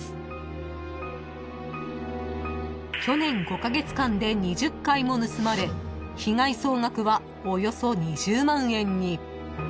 ［去年５カ月間で２０回も盗まれ被害総額はおよそ２０万円に］